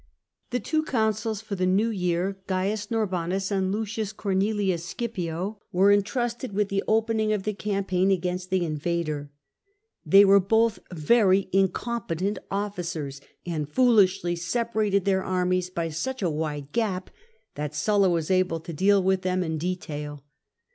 The two consuls for the new year, C. Horbanus and L. Cornelius SULLA DEFEATS THE CONSULS 141 Scipio, were entrusted with the opening of the campaign against the invader. They were both very incompetent officers, and foolishly separated their armies by such a wide gap that Sulla was able to deal with them in detail.